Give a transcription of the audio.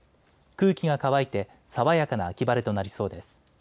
空気が乾いて爽やかな秋晴れとなりそうです。